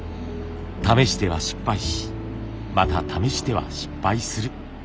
試しては失敗しまた試しては失敗する。